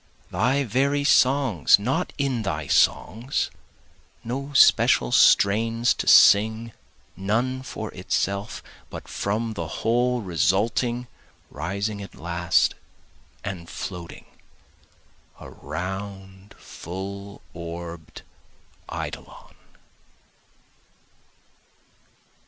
Thy very songs not in thy songs, No special strains to sing, none for itself, But from the whole resulting, rising at last and floating, A round full orb'd eidolon.